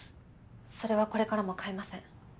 それはこれからも変えません。